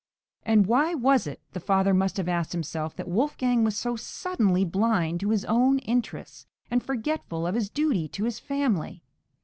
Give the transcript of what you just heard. And why was it, the father must have asked himself, that Wolfgang was so suddenly blind to his own interests, and forgetful of his duty to his family?